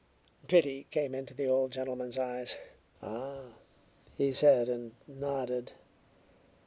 Pity came into the old gentleman's eyes. "Ah," he said, and nodded.